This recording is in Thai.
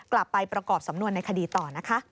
กลับไปประกอบสำนวนในคดีต่อนะคะ